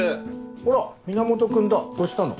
あら源君だどしたの？